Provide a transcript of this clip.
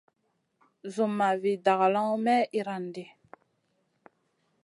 Zumma vi dagalawn may iyran ɗi.